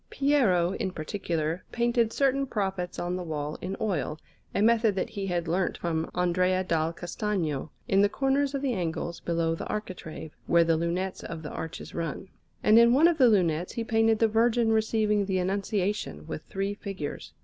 Piero, in particular, painted certain prophets on the wall in oil (a method that he had learnt from Andrea dal Castagno), in the corners of the angles below the architrave, where the lunettes of the arches run; and in one of the lunettes he painted the Virgin receiving the Annunciation, with three figures.